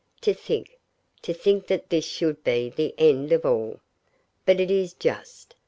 To think to think that this should be the end of all! But it is just!